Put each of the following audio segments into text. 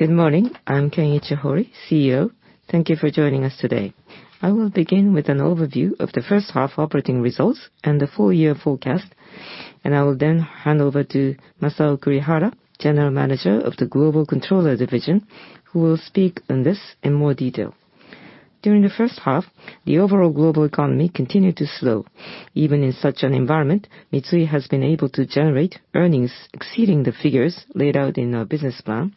Good morning. I'm Kenichi Hori, CEO. Thank you for joining us today. I will begin with an overview of the first half operating results and the full year forecast, and I will then hand over to Masao Kurihara, General Manager of the Global Controller Division, who will speak on this in more detail. During the first half, the overall global economy continued to slow. Even in such an environment, Mitsui has been able to generate earnings exceeding the figures laid out in our business plan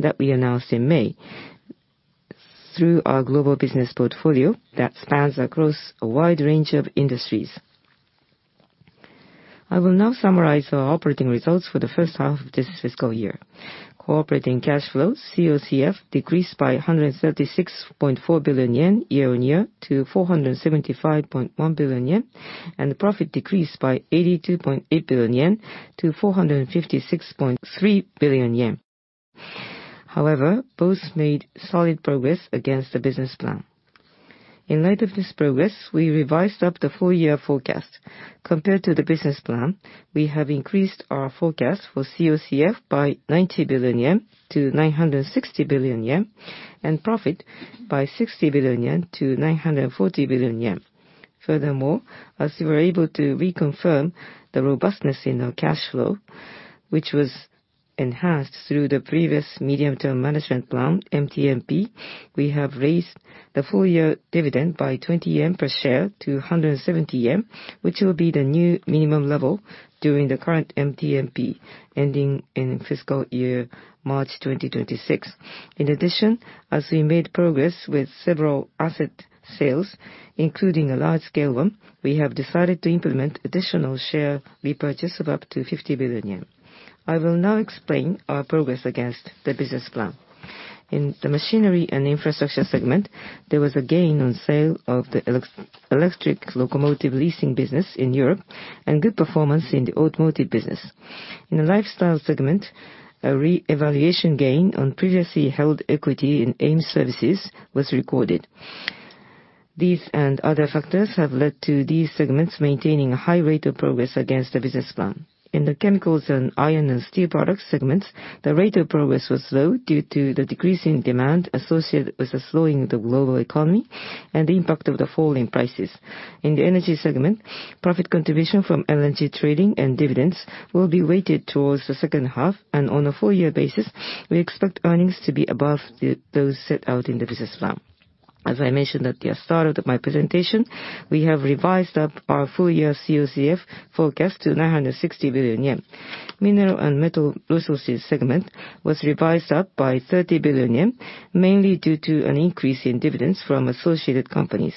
that we announced in May, through our global business portfolio that spans across a wide range of industries. I will now summarize our operating results for the first half of this fiscal year. Core operating cash flows, COCF, decreased by 136.4 billion yen year-on-year to 475.1 billion yen, and the profit decreased by 82.8 billion yen to 456.3 billion yen. However, both made solid progress against the business plan. In light of this progress, we revised up the full year forecast. Compared to the business plan, we have increased our forecast for COCF by 90 billion yen to 960 billion yen, and profit by 60 billion yen to 940 billion yen. Furthermore, as we were able to reconfirm the robustness in our cash flow, which was enhanced through the previous Medium-Term Management Plan, MTMP, we have raised the full-year dividend by 20 yen per share to 170 yen, which will be the new minimum level during the current MTMP, ending in fiscal year March 2026. In addition, as we made progress with several asset sales, including a large-scale one, we have decided to implement additional share repurchase of up to 50 billion yen. I will now explain our progress against the business plan. In the Machinery & Infrastructure segment, there was a gain on sale of the electric locomotive leasing business in Europe, and good performance in the automotive business. In the Lifestyle segment, a re-evaluation gain on previously held equity in AIM Services was recorded. These and other factors have led to these segments maintaining a high rate of progress against the business plan. In the Chemicals and Iron & Steel Products segments, the rate of progress was slow due to the decrease in demand associated with the slowing of the global economy and the impact of the falling prices. In the Energy segment, profit contribution from LNG trading and dividends will be weighted towards the second half, and on a full year basis, we expect earnings to be above those set out in the business plan. As I mentioned at the start of my presentation, we have revised up our full year COCF forecast to 960 billion yen. Mineral & Metal Resources segment was revised up by 30 billion yen, mainly due to an increase in dividends from associated companies.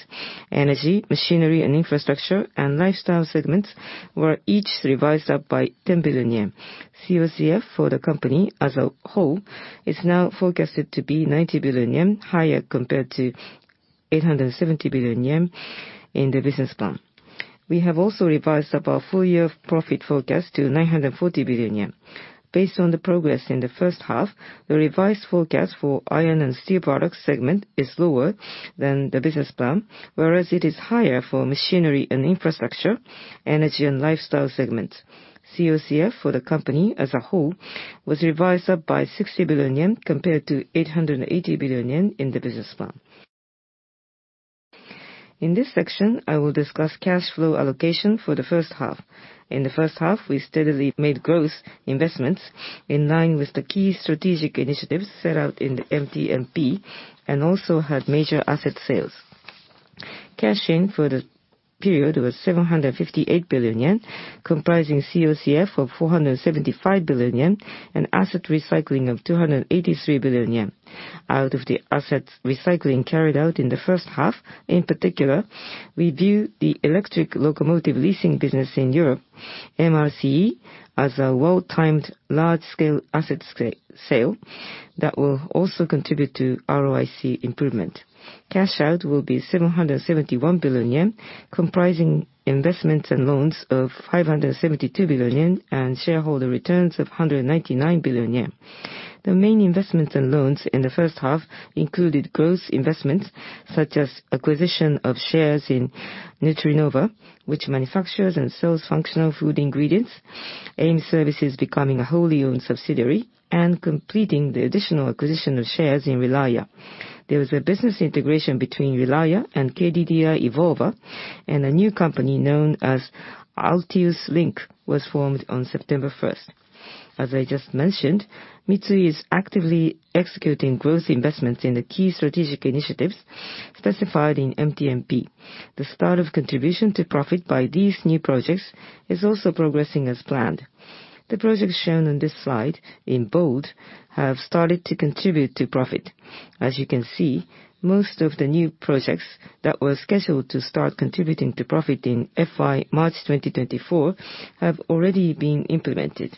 Energy, Machinery & Infrastructure, and Lifestyle segments were each revised up by 10 billion yen. COCF for the company as a whole is now forecasted to be 90 billion yen, higher compared to 870 billion yen in the business plan. We have also revised up our full year profit forecast to 940 billion yen. Based on the progress in the first half, the revised forecast for Iron & Steel Products segment is lower than the business plan, whereas it is higher for Machinery & Infrastructure, Energy, and Lifestyle segments. COCF for the company as a whole was revised up by 60 billion yen, compared to 880 billion yen in the business plan. In this section, I will discuss cash flow allocation for the first half. In the first half, we steadily made growth investments in line with the key strategic initiatives set out in the MTMP, and also had major asset sales. Cash in for the period was 758 billion yen, comprising COCF of 475 billion yen and asset recycling of 283 billion yen. Out of the assets recycling carried out in the first half, in particular, we view the electric locomotive leasing business in Europe, MRCE, as a well-timed, large-scale asset sale that will also contribute to ROIC improvement. Cash out will be 771 billion yen, comprising investments and loans of 572 billion yen and shareholder returns of 199 billion yen. The main investments and loans in the first half included growth investments such as acquisition of shares in Nutrinova, which manufactures and sells functional food ingredients, AIM Services becoming a wholly owned subsidiary, and completing the additional acquisition of shares in Relia. There was a business integration between Relia and KDDI Evolva, and a new company known as Altius Link was formed on September 1st. As I just mentioned, Mitsui is actively executing growth investments in the key strategic initiatives specified in MTMP. The start of contribution to profit by these new projects is also progressing as planned. The projects shown on this slide in bold have started to contribute to profit. As you can see, most of the new projects that were scheduled to start contributing to profit in FY March 2024 have already been implemented.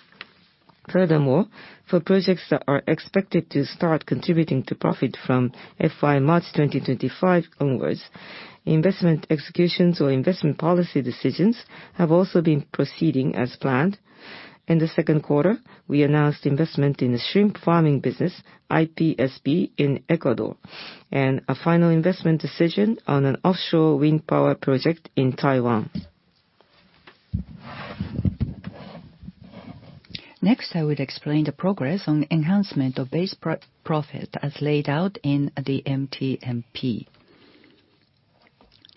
Furthermore, for projects that are expected to start contributing to profit from FY March 2025 onwards, investment executions or investment policy decisions have also been proceeding as planned. In the second quarter, we announced investment in the shrimp farming business, IPSP, in Ecuador, and a final investment decision on an offshore wind power project in Taiwan. Next, I will explain the progress on enhancement of base profit, as laid out in the MTMP.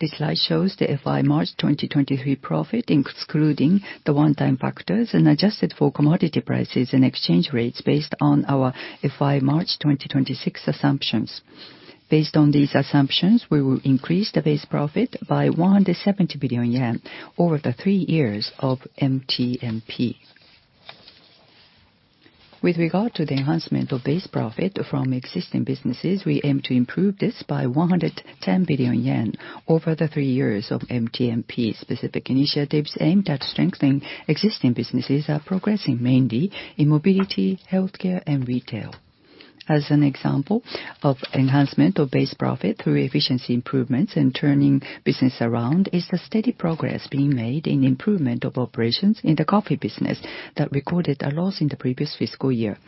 This slide shows the FY March 2023 profit, excluding the one-time factors, and adjusted for commodity prices and exchange rates based on our FY March 2026 assumptions. Based on these assumptions, we will increase the base profit by 170 billion yen over the three years of MTMP. With regard to the enhancement of base profit from existing businesses, we aim to improve this by 110 billion yen over the three years of MTMP. Specific initiatives aimed at strengthening existing businesses are progressing, mainly in mobility, healthcare, and retail. As an example of enhancement of base profit through efficiency improvements and turning business around, is the steady progress being made in improvement of operations in the coffee business that recorded a loss in the previous fiscal year.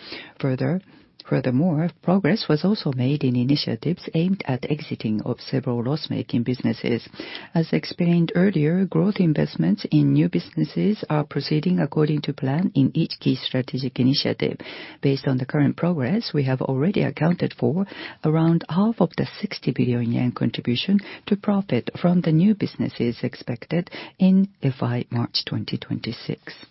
Furthermore, progress was also made in initiatives aimed at exiting of several loss-making businesses. As explained earlier, growth investments in new businesses are proceeding according to plan in each key strategic initiative. Based on the current progress, we have already accounted for around half of the 60 billion yen contribution to profit from the new businesses expected in FY March 2026.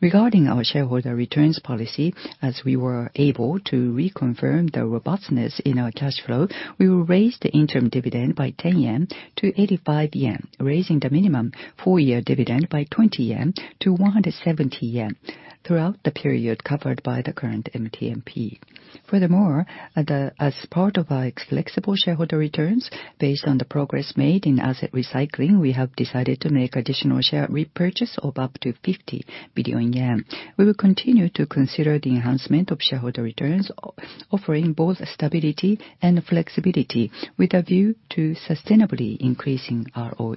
Regarding our shareholder returns policy, as we were able to reconfirm the robustness in our cash flow, we will raise the interim dividend by 10-85 yen, raising the minimum full-year dividend by 20-170 yen throughout the period covered by the current MTMP. Furthermore, as part of our flexible shareholder returns, based on the progress made in asset recycling, we have decided to make additional share repurchase of up to 50 billion yen. We will continue to consider the enhancement of shareholder returns, offering both stability and flexibility, with a view to sustainably increasing ROE.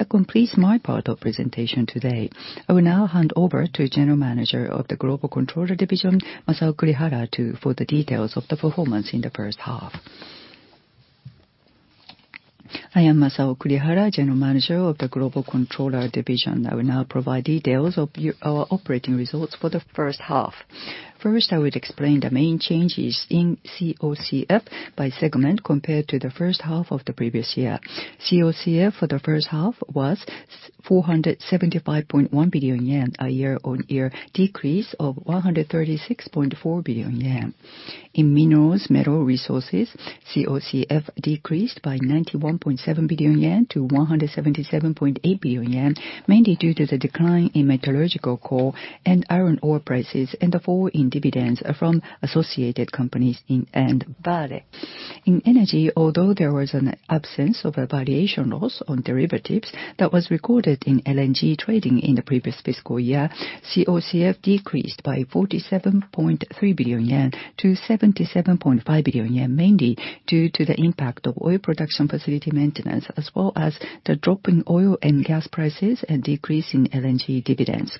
That completes my part of presentation today. I will now hand over to General Manager of the Global Controller Division, Masao Kurihara, for the details of the performance in the first half. I am Masao Kurihara, General Manager of the Global Controller Division. I will now provide details of our operating results for the first half. First, I will explain the main changes in COCF by segment compared to the first half of the previous year. COCF for the first half was 475.1 billion yen, a year-on-year decrease of 136.4 billion yen. In Mineral & Metal Resources, COCF decreased by 91.7 billion yen- 177.8 billion yen, mainly due to the decline in metallurgical coal and iron ore prices, and the fall in dividends from associated companies in and value. In Energy, although there was an absence of a valuation loss on derivatives that was recorded in LNG trading in the previous fiscal year, COCF decreased by 47.3 billion yen to 77.5 billion yen, mainly due to the impact of oil production facility maintenance, as well as the drop in oil and gas prices and decrease in LNG dividends.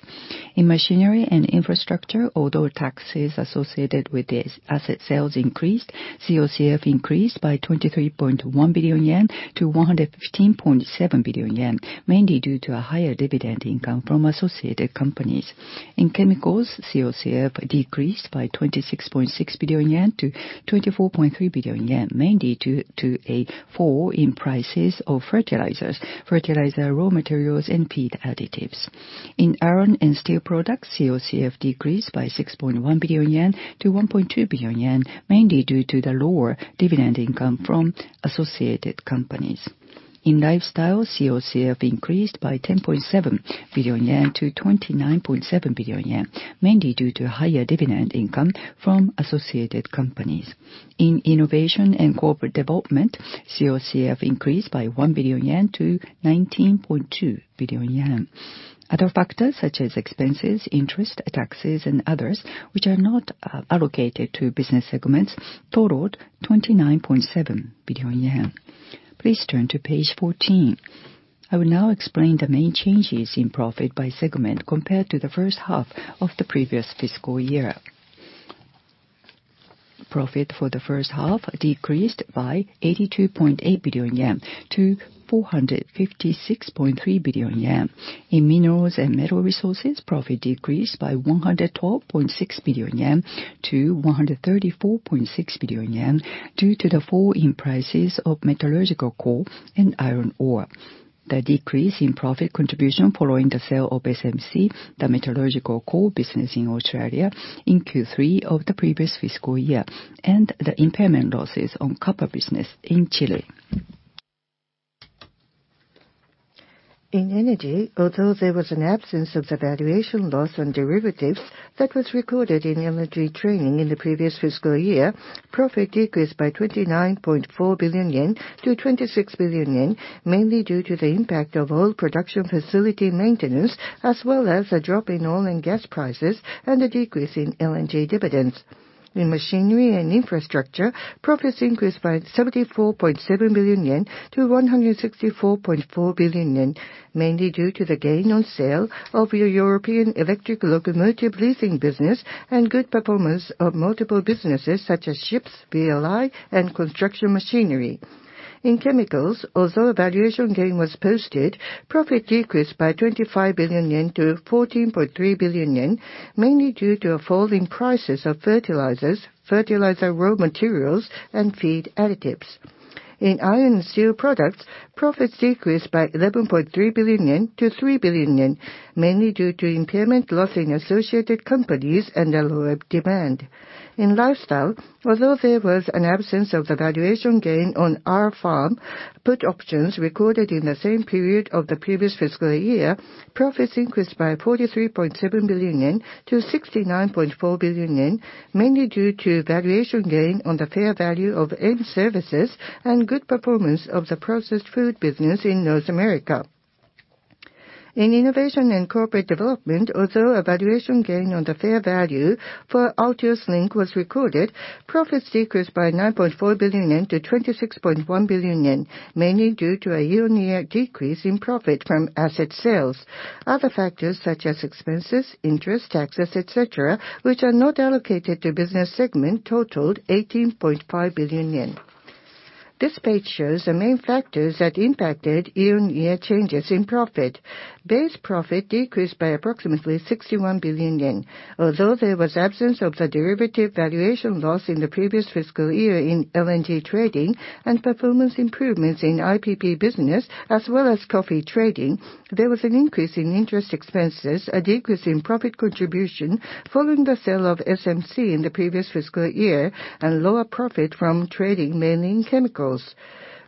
In Machinery & Infrastructure, although taxes associated with the asset sales increased, COCF increased by 23.1 billion yen to 115.7 billion yen, mainly due to a higher dividend income from associated companies. In chemicals, COCF decreased by 26.6 billion-24.3 billion yen, mainly due to a fall in prices of fertilizers, fertilizer raw materials, and feed additives. In Iron & Steel Products, COCF decreased by 6.1 billion yen to 1.2 billion yen, mainly due to the lower dividend income from associated companies. In Lifestyle, COCF increased by 10.7 billion yen to 29.7 billion yen, mainly due to higher dividend income from associated companies. In Innovation & Corporate Development, COCF increased by 1 billion yen to 19.2 billion yen. Other factors, such as expenses, interest, taxes, and others, which are not allocated to business segments, totaled 29.7 billion yen. Please turn to page 14. I will now explain the main changes in profit by segment compared to the first half of the previous fiscal year. Profit for the first half decreased by 82.8 billion yen to 456.3 billion yen. In Mineral & Metal Resources, profit decreased by 112.6 billion yen to 134.6 billion yen, due to the fall in prices of metallurgical coal and iron ore. The decrease in profit contribution following the sale of SMC, the metallurgical coal business in Australia, in Q3 of the previous fiscal year, and the impairment losses on copper business in Chile. In Energy, although there was an absence of the valuation loss on derivatives that was recorded in LNG trading in the previous fiscal year, profit decreased by 29.4 billion yen to 26 billion yen, mainly due to the impact of oil production facility maintenance, as well as a drop in oil and gas prices and a decrease in LNG dividends. In Machinery & Infrastructure, profits increased by 74.7 billion yen to 164.4 billion yen, mainly due to the gain on sale of a European electric locomotive leasing business, and good performance of multiple businesses, such as ships, VLI, and construction machinery. ...In chemicals, although a valuation gain was posted, profit decreased by 25 billion yen to 14.3 billion yen, mainly due to a fall in prices of fertilizers, fertilizer raw materials, and feed additives. In iron and steel products, profits decreased by 11.3 billion yen to 3 billion yen, mainly due to impairment loss in associated companies and a lower demand. In Lifestyle, although there was an absence of the valuation gain on R-Farm, put options recorded in the same period of the previous fiscal year, profits increased by 43.7 billion yen to 69.4 billion yen, mainly due to valuation gain on the fair value of AIM Services and good performance of the processed food business in North America. In Innovation & Corporate Development, although a valuation gain on the fair value for Altius Link was recorded, profits decreased by 9.4 billion yen to 26.1 billion yen, mainly due to a year-on-year decrease in profit from asset sales. Other factors such as expenses, interest, taxes, et cetera, which are not allocated to business segment, totaled 18.5 billion yen. This page shows the main factors that impacted year-on-year changes in profit. Base profit decreased by approximately 61 billion yen. Although there was absence of the derivative valuation loss in the previous fiscal year in LNG trading and performance improvements in IPP business, as well as coffee trading, there was an increase in interest expenses, a decrease in profit contribution following the sale of SMC in the previous fiscal year, and lower profit from trading, mainly in chemicals.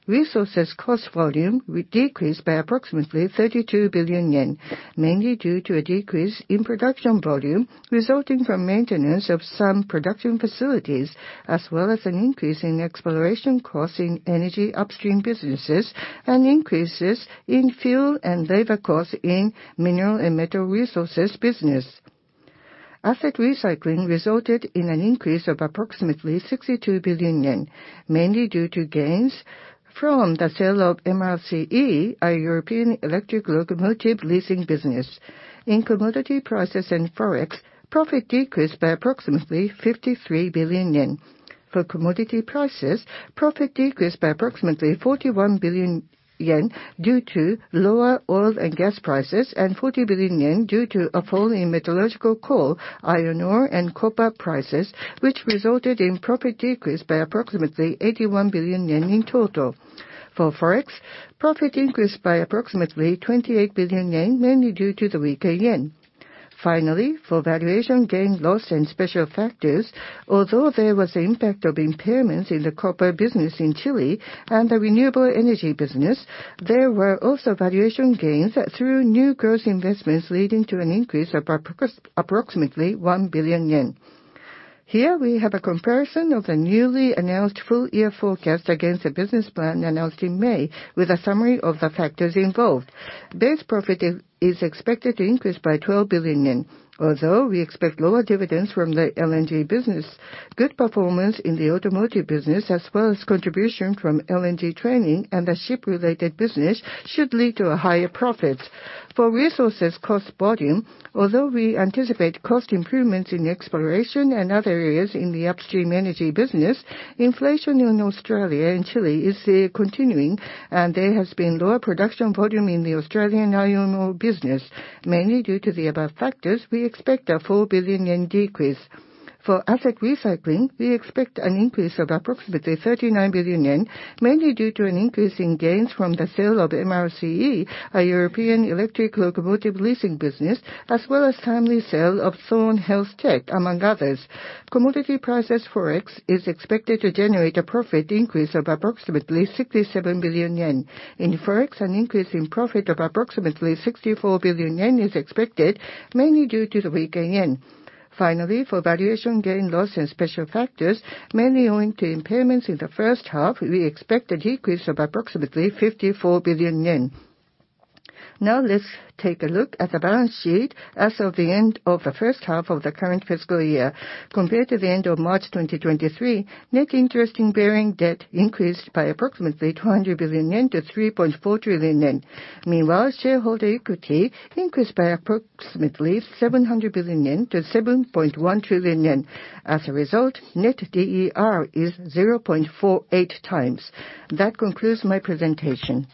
Resources cost volume decreased by approximately 32 billion yen, mainly due to a decrease in production volume resulting from maintenance of some production facilities, as well as an increase in exploration costs in energy upstream businesses and increases in fuel and labor costs in Mineral & Metal Resources business. Asset recycling resulted in an increase of approximately 62 billion yen, mainly due to gains from the sale of MRCE, a European electric locomotive leasing business. In commodity prices and Forex, profit decreased by approximately 53 billion yen. For commodity prices, profit decreased by approximately 41 billion yen due to lower oil and gas prices, and 40 billion yen due to a fall in metallurgical coal, iron ore, and copper prices, which resulted in profit decrease by approximately 81 billion yen in total. For Forex, profit increased by approximately 28 billion yen, mainly due to the weaker yen. Finally, for valuation gain, loss, and special factors, although there was the impact of impairments in the copper business in Chile and the renewable energy business, there were also valuation gains through new growth investments, leading to an increase of approximately 1 billion yen. Here, we have a comparison of the newly announced full-year forecast against the business plan announced in May, with a summary of the factors involved. Base profit is expected to increase by 12 billion yen. Although we expect lower dividends from the LNG business, good performance in the automotive business, as well as contribution from LNG trading and the ship-related business, should lead to higher profits. For resources cost volume, although we anticipate cost improvements in exploration and other areas in the upstream energy business, inflation in Australia and Chile is continuing, and there has been lower production volume in the Australian iron ore business. Mainly due to the above factors, we expect a 4 billion yen decrease. For asset recycling, we expect an increase of approximately 39 billion yen, mainly due to an increase in gains from the sale of MRCE, a European electric locomotive leasing business, as well as timely sale of Thorne HealthTech, among others. Commodity prices, Forex is expected to generate a profit increase of approximately 67 billion yen. In Forex, an increase in profit of approximately 64 billion yen is expected, mainly due to the weaker yen. Finally, for valuation gain, loss, and special factors, mainly owing to impairments in the first half, we expect a decrease of approximately 54 billion yen. Now, let's take a look at the balance sheet as of the end of the first half of the current fiscal year. Compared to the end of March 2023, net interest-bearing debt increased by approximately 200 billion yen to 3.4 trillion yen. Meanwhile, shareholder equity increased by approximately 700 billion yen to 7.1 trillion yen. As a result, Net DER is 0.48 times. That concludes my presentation.